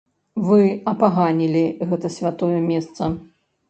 Вы апаганілі гэта святое месца.